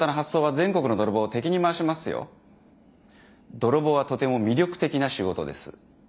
泥棒はとても魅力的な仕事です。